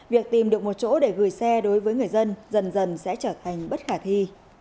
việc tìm được một chỗ để gửi xe đối với người dân dần dần sẽ trở thành bất khả thi